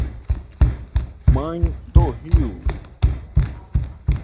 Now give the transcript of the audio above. Mãe do Rio